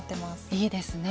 いいですね。